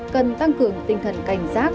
cần tăng cường tinh thần cảnh giác